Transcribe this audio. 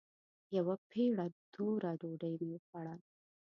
يوه پېړه توره ډوډۍ مې وخوړه.